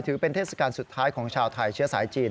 ถือเป็นเทศกาลสุดท้ายของชาวไทยเชื้อสายจีน